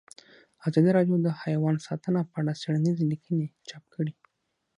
ازادي راډیو د حیوان ساتنه په اړه څېړنیزې لیکنې چاپ کړي.